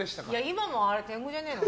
今も天狗じゃねえの？